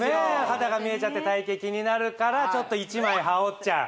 肌が見えちゃって体形気になるからちょっと１枚はおっちゃう